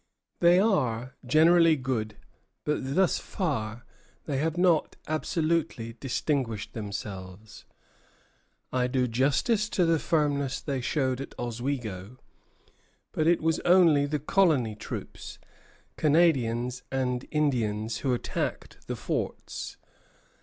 "They are generally good, but thus far they have not absolutely distinguished themselves. I do justice to the firmness they showed at Oswego; but it was only the colony troops, Canadians, and Indians who attacked the forts.